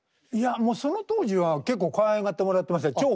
いやその当時は結構かわいがってもらってました。